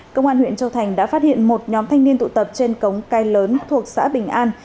công an huyện châu thành đã phát hiện một nhóm thanh niên tụ tập trên cống cái lớn thuộc xã bình an